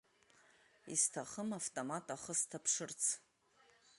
Исҭахым автомат ахы сҭаԥшырц.